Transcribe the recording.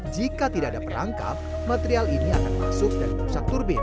jika tidak ada perangkap material ini akan masuk dan merusak turbin